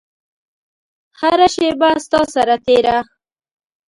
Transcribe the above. هره شیبه ستا سره تیره